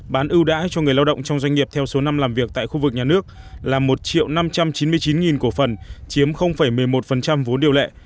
bán ưu đãi cho người lao động trong doanh nghiệp theo số năm làm việc tại khu vực nhà nước là một năm trăm chín mươi chín cổ phần chiếm một mươi một vốn điều lệ